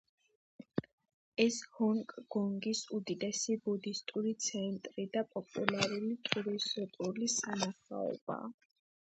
ეს ჰონგ-კონგის უდიდესი ბუდისტური ცენტრი და პოპულარული ტურისტული სანახაობაა.